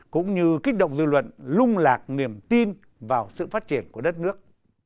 cũng như kích động dư luận lung lạc niềm tin vào sự phát triển của đất nước